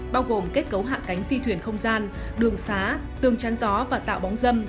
bao gồm kết cấu hạ cánh phi thuyền không gian đường xá tường chắn gió và tạo bóng dâm